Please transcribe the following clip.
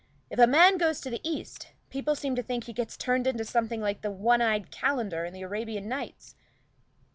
If a man goes to the East, people seem to think he gets turned into something like the one eyed calender in the 'Arabian Nights!'"